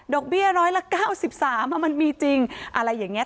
เบี้ยร้อยละ๙๓มันมีจริงอะไรอย่างนี้